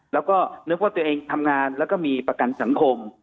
แล้วก็นึกว่าตัวเองทำงานแล้วก็มีประกันสังคม